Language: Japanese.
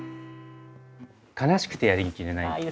「悲しくてやりきれない」。